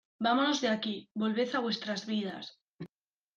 Vámonos de aquí. Volved a vuestras vidas .